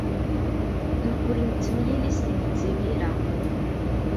Neqqel nettemyili s tidet imir-a.